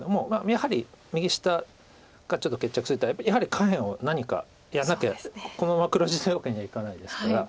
やはり右下がちょっと決着するとやはり下辺を何かやらなきゃこのまま黒地というわけにはいかないですから。